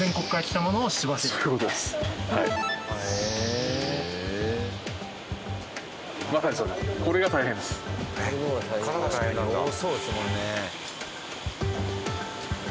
多そうですもんね。